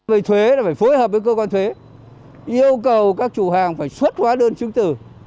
về thuế là phải phối hợp với cơ quan thuế yêu cầu các chủ hàng phải xuất hóa đơn chứng tử